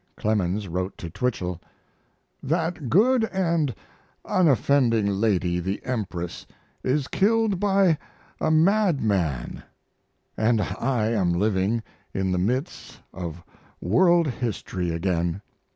Clemens wrote to Twichell: That good & unoffending lady, the Empress, is killed by a madman, & I am living in the midst of world history again.